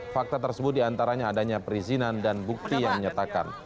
fakta tersebut diantaranya adanya perizinan dan bukti yang menyatakan